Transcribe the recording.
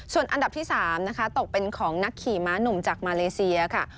ส่วนอันดับที่๓นะคะตกเป็นของนักขี่ม้าหนุ่มจากมาเลเซียค่ะ